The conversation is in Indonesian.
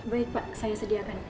baik pak saya sediakan